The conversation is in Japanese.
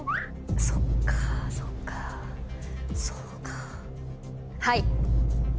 そっかそっかそうか。